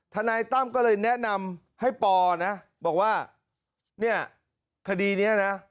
นายตั้มก็เลยแนะนำให้ปอนะบอกว่าเนี่ยคดีนี้นะ